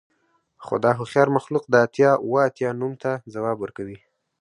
خو دا هوښیار مخلوق د اتیا اوه اتیا نوم ته ځواب ورکوي